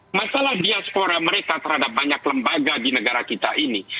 masalah diaspora mereka terhadap banyak lembaga di negara kita ini